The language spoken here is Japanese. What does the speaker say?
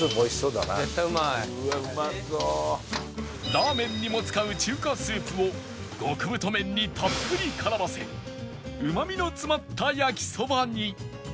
ラーメンにも使う中華スープを極太麺にたっぷり絡ませうまみの詰まったやきそばに